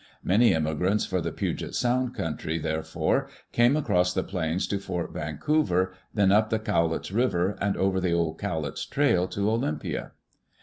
Many emigrants for the Puget Sound country, therefore, came across the plains to Fort Vancouver, then up the Cowlitz River and over the old Cowlitz trail to Olympia.